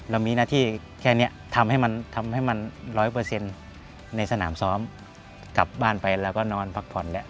เรามีหน้าที่แค่นี้ทำให้มันทำให้มันร้อยเปอร์เซ็นต์ในสนามซ้อมกลับบ้านไปแล้วก็นอนพักผ่อนแล้ว